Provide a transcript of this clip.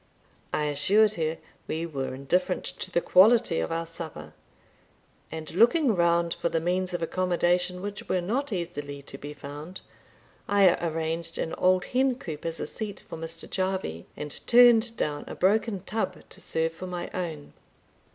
I assured her we were indifferent to the quality of our supper; and looking round for the means of accommodation, which were not easily to be found, I arranged an old hen coop as a seat for Mr. Jarvie, and turned down a broken tub to serve for my own.